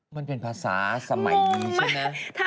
มันเป็นภาษาสมัยนี้ใช่ไหม